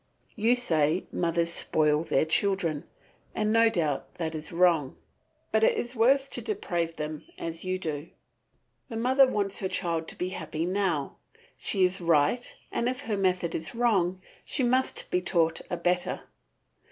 You say mothers spoil their children, and no doubt that is wrong, but it is worse to deprave them as you do. The mother wants her child to be happy now. She is right, and if her method is wrong, she must be taught a better.